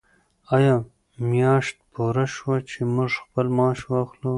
آیا میاشت پوره شوه چې موږ خپل معاش واخلو؟